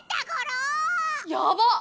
やばっ！